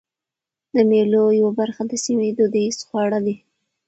د مېلو یوه برخه د سیمي دودیز خواړه دي.